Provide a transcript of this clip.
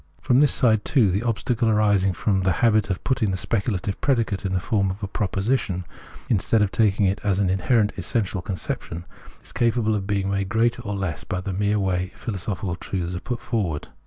From this side, too, the obstacle, arising from the habit of putting the speculative pre dicate in the form of a proposition, instead of taking it as an inherent essential conception, is capable of being made greater or less by the mere way philoso phical truths are put forward.